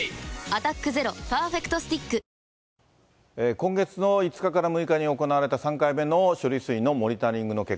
今月の５日から６日に行われた３回目の処理水のモニタリング